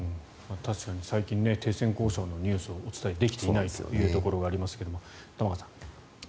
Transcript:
確かに最近停戦交渉のニュースをお伝えできてないというところがありますが、玉川さん。